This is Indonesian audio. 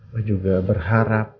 papa juga berharap